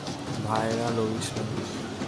ভাইয়েরা, লড়িস না।